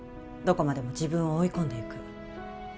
どこまでも自分を追い込んでいく